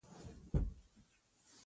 افغانان تل خپل مړی ګټي.